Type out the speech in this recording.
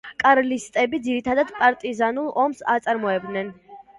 კარლისტები ძირითადად პარტიზანულ ომს აწარმოებდნენ.